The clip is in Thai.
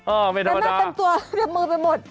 เอ้อไม่ธรรมดาเต็มหน้าเต็มตัวเต็มมือไปหมด